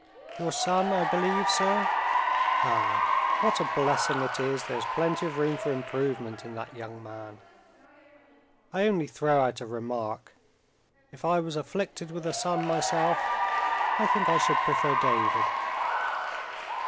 "Your son, I believe, sir? Ha! what a blessing it is there's plenty of room for improvement in that young man. I only throw out a remark. If I was afflicted with a son myself, I think I should prefer David."